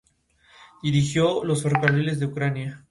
Dirigió los ferrocarriles de Ucrania.